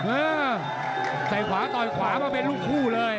เออใส่ขวาต่อยขวามาเป็นลูกคู่เลย